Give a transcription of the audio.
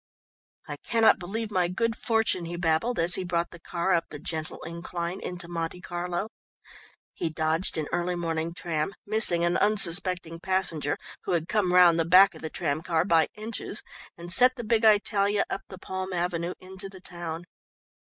"I cannot believe my good fortune," he babbled, as he brought the car up the gentle incline into Monte Carlo. He dodged an early morning tram, missing an unsuspecting passenger, who had come round the back of the tram car, by inches, and set the big Italia up the palm avenue into the town.